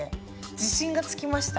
自信がつきました。